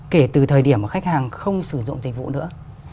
kể từ thời điểm mà khách hàng không sử dụng thịnh phụ nữa